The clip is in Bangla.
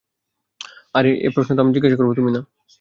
আরে প্রশ্ন তো আমি জিজ্ঞেস করবো, তুমি না।